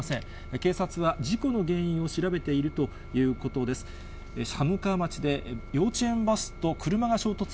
警察は事故の原因を調べているということです。